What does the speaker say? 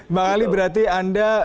mbak ali berarti anda